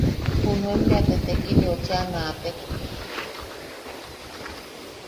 Junuen bea te tekileu cheʼa naatek;.